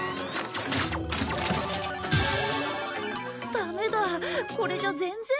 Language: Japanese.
ダメだこれじゃ全然足りない。